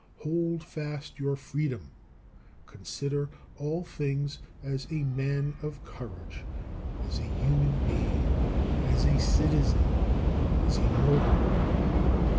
Hold fast your freedom: consider all things as a man of courage, as a human being, as a citizen, as a mortal.